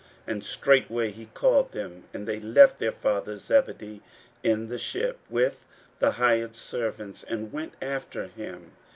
41:001:020 And straightway he called them: and they left their father Zebedee in the ship with the hired servants, and went after him.